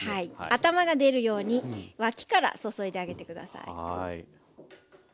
頭が出るように脇から注いであげて下さい。